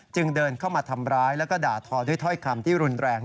เดินเข้ามาทำร้ายแล้วก็ด่าทอด้วยถ้อยคำที่รุนแรง